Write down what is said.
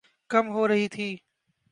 کم ہو رہی تھِی